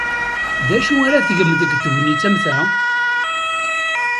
D acu ara tgem deg tegnit am ta?